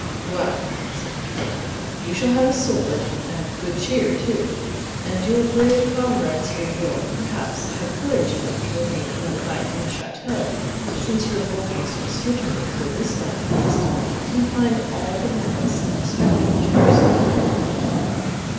"Well," said the Count, "you shall have a sword, and good cheer, too; and your brave comrades here will, perhaps, have courage enough to remain another night in the château, since your boldness will certainly, for this night, at least, confine all the malice of the spectre to yourself."